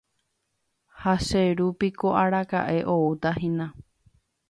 Ha che ru piko araka'e outahína.